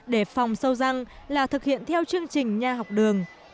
để phòng sâu răng là thực hiện theo chương trình nhà học đường